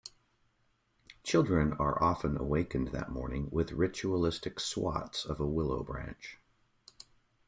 Children are often awakened that morning with ritualistic swats of a willow branch.